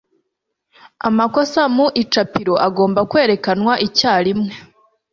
Amakosa mu icapiro agomba kwerekanwa icyarimwe.